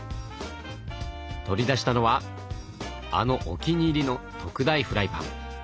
取り出したのはあのお気に入りの特大フライパン。